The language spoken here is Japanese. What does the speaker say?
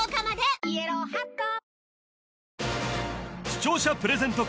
視聴者プレゼント